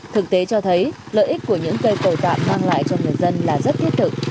thực tế cho thấy lợi ích của những cây cầu đoạn mang lại cho người dân là rất thiết thực